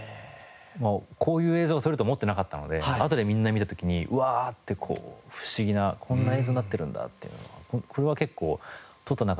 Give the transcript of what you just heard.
こういう映像が撮れると思ってなかったのであとでみんな見た時にうわってこう不思議なこんな映像になってるんだっていうのは。